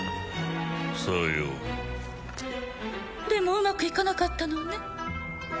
さようでもうまくいかなかったのね